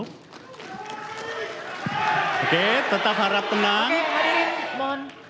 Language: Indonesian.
oke tetap harap tenang